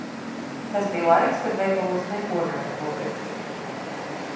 Tas bija laiks, kad veikalos neko nevarēja nopirkt.